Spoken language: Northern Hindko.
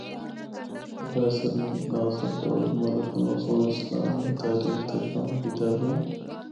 پروفیسر ناصر داود ملک اناں سنڑ اسلام دی تاریخ تے کم کیتا وے۔